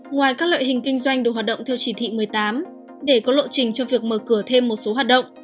ngoài các loại hình kinh doanh được hoạt động theo chỉ thị một mươi tám để có lộ trình cho việc mở cửa thêm một số hoạt động